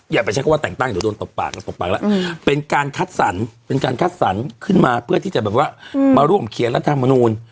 อย่าไปเช็คว่าแต่งตั้งเดี๋ยวโดนตบปากแล้วเป็นการคัดสรรค์ขึ้นมาเพื่อที่จะแบบว่ามาร่วมเขียนรัฐธรรมนูญ